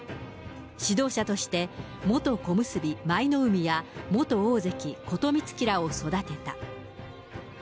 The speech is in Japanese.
指導者として、元小結・舞の海や元大関・琴光喜らを育てた。